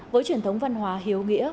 với truyền thống văn hóa hiếu nghĩa